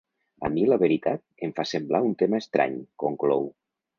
A mi, la veritat, em va semblar un tema estrany, conclou.